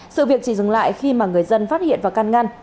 sự việc chỉ dừng lại khi mà người dân phát hiện vào căn ngăn